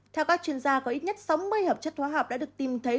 theo các chuyên gia có ít nhất sáu mươi hợp chất hóa học đã được tìm thấy